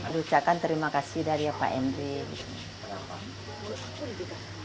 dulu ucapkan terima kasih dari pak hendrik